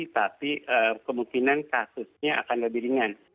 tapi kemungkinan kasusnya akan lebih ringan